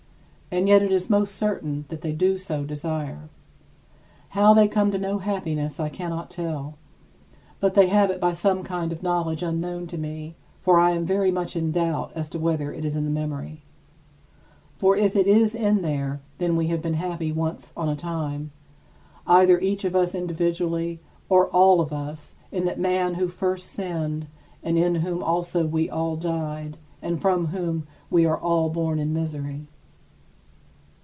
And yet it is most certain that they do so desire. How they come to know happiness, I cannot tell, but they have it by some kind of knowledge unknown to me, for I am very much in doubt as to whether it is in the memory. For if it is in there, then we have been happy once on a time either each of us individually or all of us in that man who first sinned and in whom also we all died and from whom we are all born in misery.